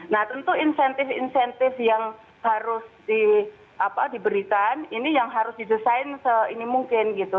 nah tentu insentif insentif yang harus diberikan ini yang harus didesain se ini mungkin gitu